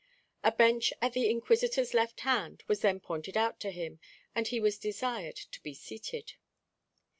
A bench at the Inquisitor's left hand was then pointed out to him, and he was desired to be seated.